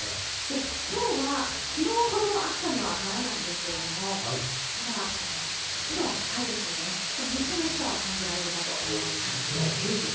きょうは、きのうほどの暑さにはならないんですけれども、ただ、湿度は高いですのでね、ちょっとムシムシと感じられるかと思います。